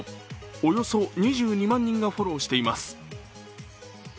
およそ２２万人がフォローしています。